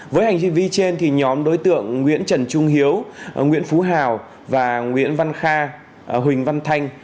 với hành vi vi trên thì nhóm đối tượng nguyễn trần trung hiếu nguyễn phú hào và nguyễn văn kha huỳnh văn thanh